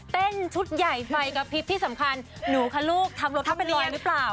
ชุดใหญ่ไฟกระพริบที่สำคัญหนูคะลูกทำรถต้องเป็นรอยหรือเปล่า